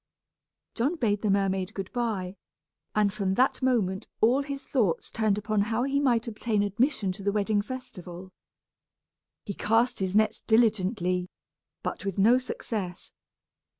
John bade the mermaid good by, and from that moment all his thoughts turned upon how he might obtain admission to the wedding festival. He cast his nets diligently, but with no success.